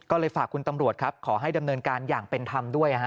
ก็เลยฝากคุณตำรวจครับขอให้ดำเนินการอย่างเป็นธรรมด้วย